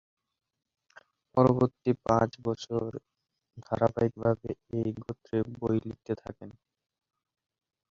পরবর্তী পাঁচ বছর ধারাবাহিকভাবে এ গোত্রের বই লিখতে থাকেন।